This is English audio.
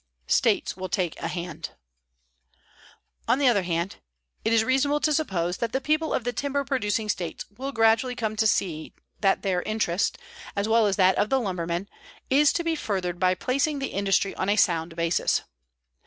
STATES WILL TAKE A HAND On the other hand, it is reasonable to suppose that the people of the timber producing states will gradually come to see that their interest, as well as that of the lumberman, is to be furthered by placing the industry on a sound basis.